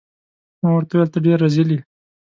ما ورته وویل: ته ډیر رزیل يې.